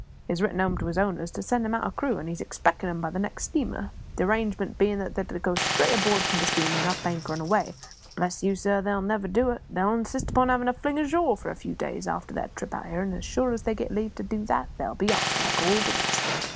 He has written home to his owners to send him out a crew, and he's expecting 'em by the next steamer; the arrangement being that they're to go straight aboard from the steamer, and up anchor and away. But, bless you, sir, they'll never do it; they'll insist upon having a fling ashore, for a few days, after their trip out here; and so sure as they get leave to do that, they'll be off, like all the rest."